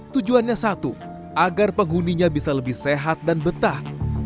tujuannya satu agar penghuninya bisa lebih sehat dan betah